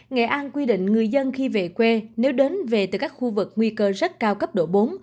nghệ an quy định người dân khi về quê nếu đến về từ các khu vực nguy cơ rất cao cấp độ bốn